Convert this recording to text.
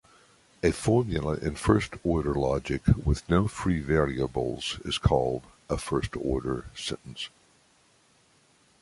A formula in first-order logic with no free variables is called a first-order sentence.